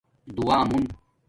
دُعا مݸن